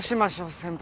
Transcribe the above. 先輩。